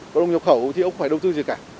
còn ông nhập khẩu thì ông không phải đầu tư gì cả